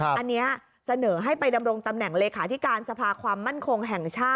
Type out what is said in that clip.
อันนี้เสนอให้ไปดำรงตำแหน่งเลขาธิการสภาความมั่นคงแห่งชาติ